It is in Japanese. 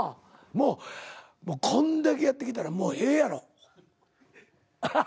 こんだけやってきたらもうええやろ。